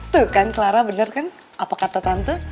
tuh kan clara bener kan apa kata tante